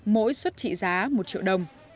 mỗi xuất trị giá một triệu đồng